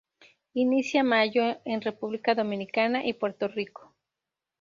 Inicia mayo en República Dominicana y Puerto Rico.